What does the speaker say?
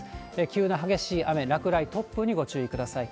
急な激しい雨、落雷、突風にご注意ください。